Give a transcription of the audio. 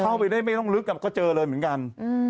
เข้าไปได้ไม่ต้องลึกก็เจอเลยเหมือนกัน